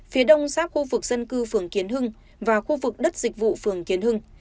phía đông giáp khu vực dân cư phường kiến hưng và khu vực đất dịch vụ phường kiến hưng